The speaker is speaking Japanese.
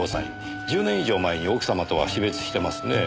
１０年以上前に奥様とは死別してますねえ。